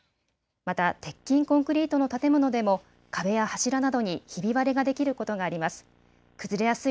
また鉄筋コンクリートの建物でも壁や柱などにひび割れができることがあります。